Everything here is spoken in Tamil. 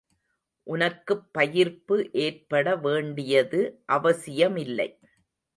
உனக்குப் பயிர்ப்பு ஏற்பட வேண்டியது அவசியமில்லை.